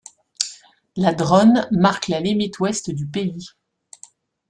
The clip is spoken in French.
La Dronne marque la limite ouest du pays.